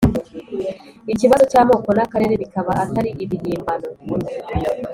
ikibazo cy' amoko n' akarere bikaba atari ibihimbano.